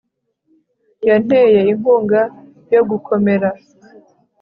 yanteye inkunga yo gukomera